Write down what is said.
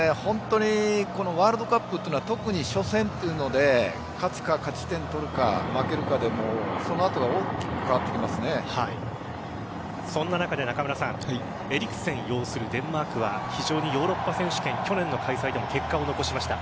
ワールドカップというのは特に初戦というので勝つか、勝ち点取るか負けるかでそんな中で中村さんエリクセン擁するデンマークは非常にヨーロッパ選手権去年の開催でも結果を残しました。